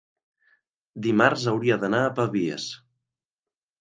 Dimarts hauria d'anar a Pavies.